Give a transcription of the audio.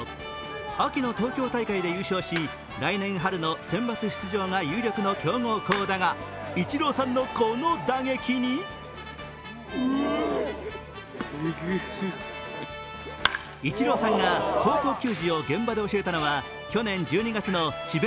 秋の東京大会で優勝し、来年春のセンバツ出場が有力の強豪校だが、イチローさんのこの打撃にイチローさんが高校球児を現場で教えたのは去年１２月の智弁